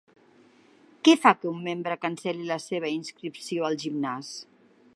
Què fa que un membre cancel·li la seva inscripció al gimnàs?